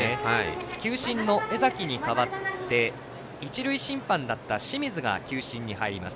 球審の江崎に代わって一塁審判だった清水が球審に入ります。